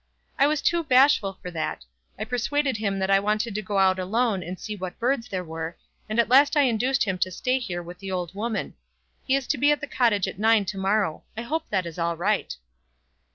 "I was too bashful for that. I persuaded him that I wanted to go out alone and see what birds there were, and at last I induced him to stay here with the old woman. He's to be at the Cottage at nine to morrow. I hope that is all right."